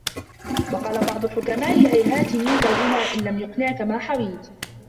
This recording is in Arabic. وَقَالَ بَعْضُ الْحُكَمَاءِ هَيْهَاتَ مِنْك الْغِنَى إنْ لَمْ يُقْنِعْك مَا حَوَيْت